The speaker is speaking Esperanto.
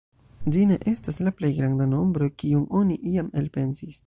Ĝi ne estas la plej granda nombro, kiun oni iam elpensis.